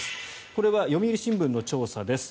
これは読売新聞の調査です。